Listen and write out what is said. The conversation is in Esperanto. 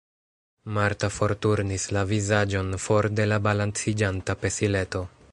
Marta forturnis la vizaĝon for de la balanciĝanta pesileto.